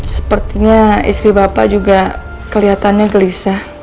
sepertinya istri bapak juga kelihatannya gelisah